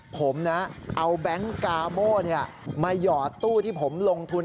ผมนะเอาแบงค์กาโม่มาหยอดตู้ที่ผมลงทุน